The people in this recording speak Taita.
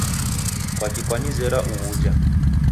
Kwaki kwanizera uw'ujha?